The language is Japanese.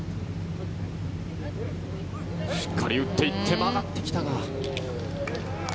しっかり打っていって曲がってきたが。